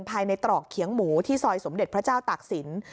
ตรอกเขียงหมูที่ซอยสมเด็จพระเจ้าตากศิลป์